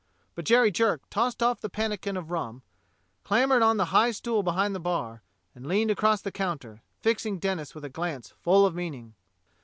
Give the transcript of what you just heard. But Jerry Jerk tossed off the pannikin of rum, clambered on the high stool behind the bar, and leaned across the counter, fixing Denis with a glance full of meaning.